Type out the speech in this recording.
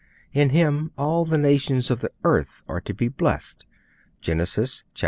In Him all the nations of the earth are to be blessed. (Genesis xxii.